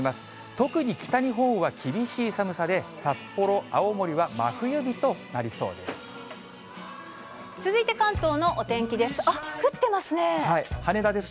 特に北日本は厳しい寒さで、札幌、青森は真冬日となりそうで続いて、関東のお天気です。